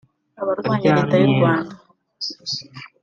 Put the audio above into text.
abarwanya Leta y’u Rwanda